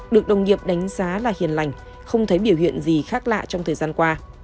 được đồng nghiệp đánh giá là hiền lành không thấy biểu hiện gì khác lạ trong thời gian qua